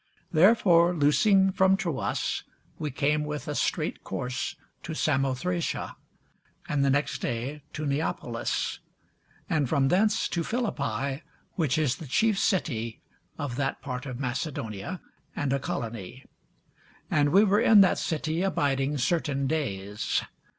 Therefore loosing from Troas, we came with a straight course to Samothracia, and the next day to Neapolis; and from thence to Philippi, which is the chief city of that part of Macedonia, and a colony: and we were in that city abiding certain days.